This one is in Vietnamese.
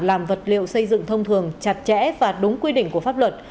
làm vật liệu xây dựng thông thường chặt chẽ và đúng quy định của pháp luật